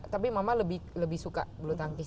tapi mama lebih suka bulu tangkis